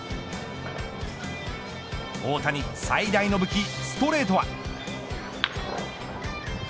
大谷最大の武器ストレートは。